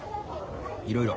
いろいろ。